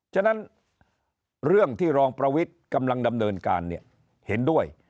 ฉะนั้นเรื่องที่รองประวิทย์กำลังดำเนินการเนี่ยเห็นด้วย